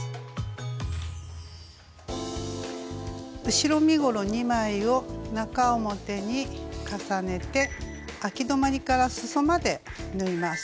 後ろ身ごろ２枚を中表に重ねてあき止まりからすそまで縫います。